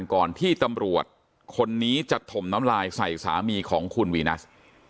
ก่อนที่ตำรวจคนนี้จะถมน้ำลายใส่สามีของคุณวีนัส